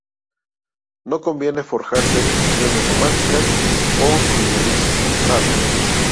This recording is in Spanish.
No conviene forjarse visiones románticas o idealizadas